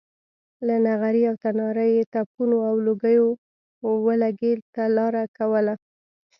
له نغري او تناره یې تپونو او لوګیو ولږې ته لاره کوله.